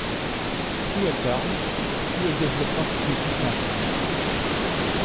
Plus elle parle, plus elle développe l’antisémitisme en France.